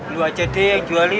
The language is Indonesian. lu aja deh jualin